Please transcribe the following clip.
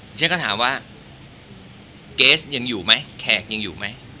ฉันก็ถามว่าเกสยังอยู่ไหมแขกยังอยู่ไหม